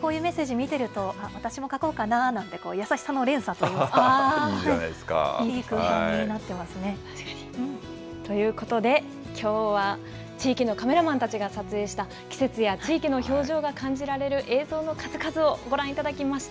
こういうメッセージ見ていると、あっ、私も書こうかななんて、いいんじゃないですか。ということで、きょうは地域のカメラマンたちが撮影した季節や地域の表情が感じられる映像の数々をご覧いただきました。